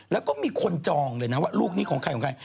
แล้วก็มีคนจองเลยนะว่าลูกนี้ของใครของใคร